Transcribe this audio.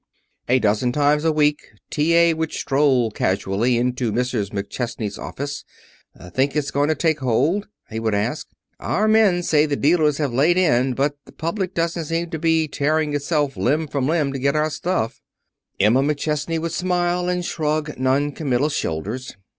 A dozen times a week T.A. Buck would stroll casually into Mrs. McChesney's office. "Think it's going to take hold?" he would ask. "Our men say the dealers have laid in, but the public doesn't seem to be tearing itself limb from limb to get to our stuff." Emma McChesney would smile, and shrug noncommittal shoulders.